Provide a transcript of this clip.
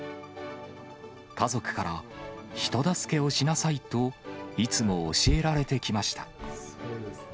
家族から人助けをしなさいと、いつも教えられてきました。